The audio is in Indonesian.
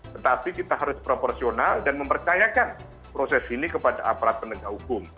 tetapi kita harus proporsional dan mempercayakan proses ini kepada aparat penegak hukum